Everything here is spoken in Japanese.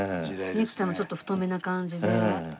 ネクタイもちょっと太めな感じで。